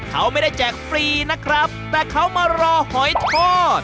เขาไม่ได้แจกฟรีนะครับแต่เขามารอหอยทอด